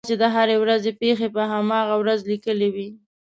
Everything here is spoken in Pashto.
ما چې د هرې ورځې پېښې په هماغه ورځ لیکلې وې.